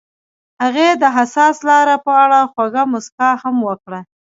هغې د حساس لاره په اړه خوږه موسکا هم وکړه.